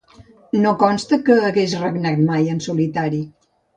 No consta que hagués regnat mai en solitari.